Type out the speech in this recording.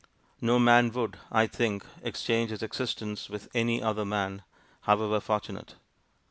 No man would, I think, exchange his existence with any other man, however fortunate.